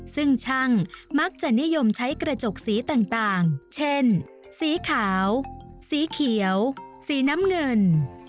ซึ่งช่างมักจะนิยมใช้กระจกสีต่างเช่นสีขาวสีเขียวสีน้ำเงิน